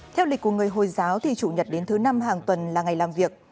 theo lịch của người hồi giáo thì chủ nhật đến thứ năm hàng tuần là ngày làm việc